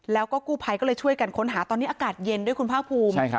แล้วก็กู้ภัยก็เลยช่วยกันค้นหาตอนนี้อากาศเย็นด้วยคุณภาคภูมิ